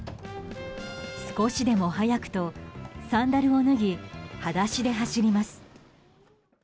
少しでも早くと、サンダルを脱ぎ裸足で走ります。